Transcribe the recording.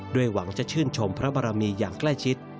หวังจะชื่นชมพระบารมีอย่างใกล้ชิด